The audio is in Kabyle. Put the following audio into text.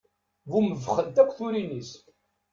Bumebbxent akk turin-is.